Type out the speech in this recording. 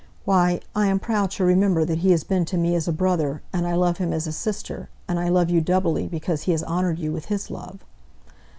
Why, I am proud to remember that he has been to me as a brother, and I love him as a sister, and I love you doubly because he has honoured you with his love."